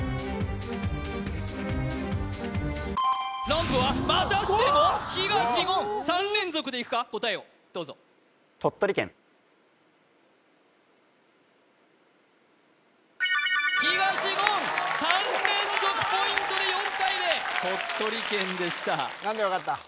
ランプは３連続でいくか答えをどうぞ東言３連続ポイントで４対０鳥取県でした何で分かった？